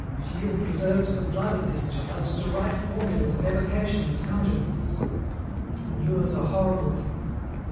"Gilles preserves the blood of this child to write formulas of evocation and conjurements. It manures a horrible crop.